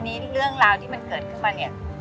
ทีนี้เรื่องราวที่มันเกิดขึ้นมาเนี่ย